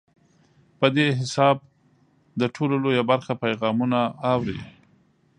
په دې حساب د ټولنې لویه برخه پیغامونه اوري.